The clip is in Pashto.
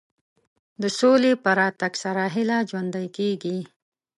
د سولې په راتګ سره هیله ژوندۍ کېږي.